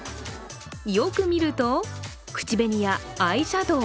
よく見ると、口紅やアイシャドー。